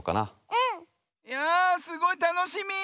うん！やすごいたのしみ。